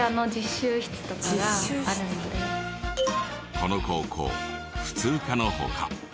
この高校普通科の他